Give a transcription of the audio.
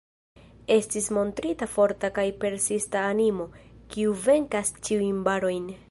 Estis montrita forta kaj persista animo, kiu venkas ĉiujn barojn.